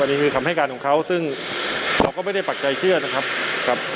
นี่คือคำให้การของเขาซึ่งเราก็ไม่ได้ปักใจเชื่อนะครับครับ